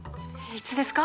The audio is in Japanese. いつですか？